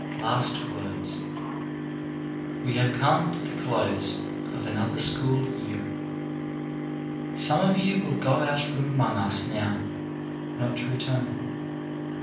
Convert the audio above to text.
LAST WORDS We have come to the close of another school year. Some of you will go out from among us now, not to return.